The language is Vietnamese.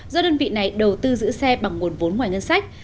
do đơn vị này đầu tư giữ xe bằng nguồn vốn ngoài ngân sách